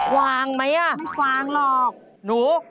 ควางไหมน่ะควางหรอกหนู